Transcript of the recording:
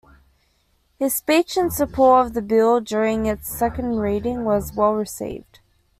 His speech in support of the bill during its second reading was well received.